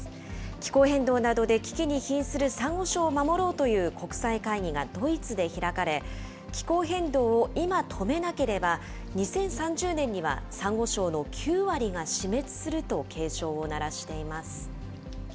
気候変動などで危機に瀕するサンゴ礁を守ろうという国際会議がドイツで開かれ、気候変動を今止めなければ、２０３０年にはサンゴ礁の９割が死滅すると警鐘を鳴らしています。